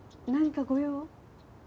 何かご用？